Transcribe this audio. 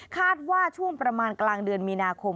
คาดว่าช่วงประมาณกลางเดือนมีนาคม